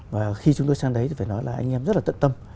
và khi chúng tôi sang đấy thì phải nói là anh em rất là tận tâm